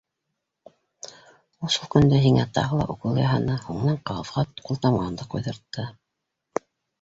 Ул шул көндә һиңә тағы ла укол яһаны, һуңынан ҡағыҙға ҡултамғаңды ҡуйҙыртты.